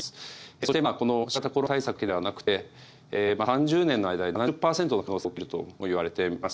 そしてこの新型コロナ対策だけではなくて３０年の間に７０パーセントの可能性で起きるといわれています